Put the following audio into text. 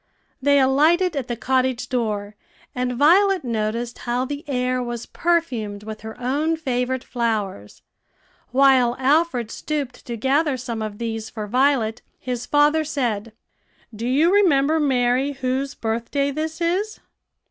They alighted at the cottage door, and Violet noticed how the air was perfumed with her own favorite flowers. While Alfred stooped to gather some of these for Violet, his father said, "Do you remember, Mary, whose birthday this is?"